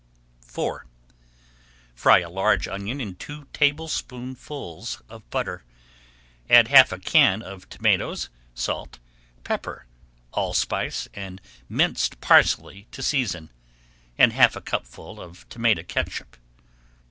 IV Fry a large onion in two tablespoonfuls of butter. Add half a can of tomatoes, salt, pepper, allspice, and minced parsley to season, and half a cupful of tomato catsup.